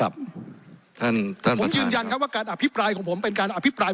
ผมยืนยันครับว่าการอภิปรายของผมเป็นการอภิปราย